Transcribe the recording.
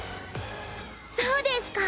そうですか。